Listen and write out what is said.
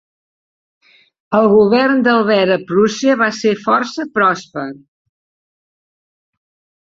El govern d'Albert a Prússia va ser força pròsper.